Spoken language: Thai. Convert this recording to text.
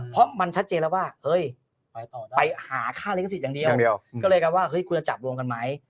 เพราะมันชัดเจนแล้วว่าเฮ้ยไปหาค่าลิขสิทธิ์อย่างเดียวก็เลยกำว่าเฮ้ยคุณจะจับรวมกันไหม